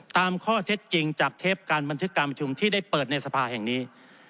ตามข้อเท็จจริงจากเทปการบันทึกการประชุมที่ได้เปิดในสภาแห่งนี้